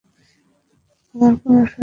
আমার কোন সরঞ্জাম ছিল না।